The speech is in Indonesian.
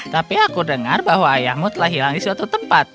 tapi aku dengar bahwa ayahmu telah hilang di suatu tempat